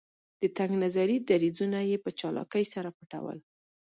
د تنګ نظري دریځونه یې په چالاکۍ سره پټول.